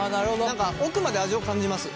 何か奥まで味を感じます。